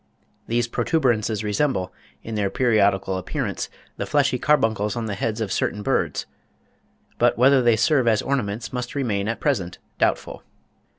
These protuberances resemble, in their periodical appearance, the fleshy carbuncles on the heads of certain birds; but whether they serve as ornaments must remain at present doubtful.